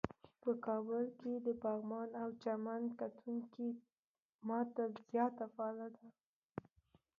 په کابل کې د پغمان او چمن تکتونیکی ماته زیاته فعاله ده.